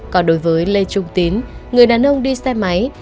còn đối với lê trung tín người đàn ông đi xe máy